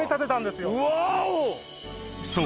［そう。